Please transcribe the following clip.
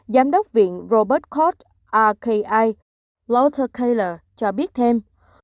giám đốc viện colbert court rki walter taylor cho biết thêm